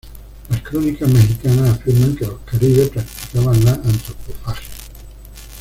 Las crónicas mexicanas afirman que los caribes practicaban la antropofagia.